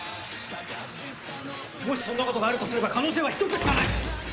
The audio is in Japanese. もしそんなことがあるとすれば可能性は１つしかない。